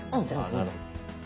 あなるほど。